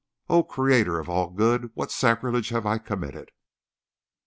O Creator of all good! What sacrilege I have committed!